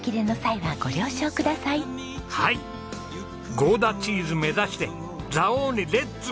ゴーダチーズ目指して蔵王にレッツゴーだ！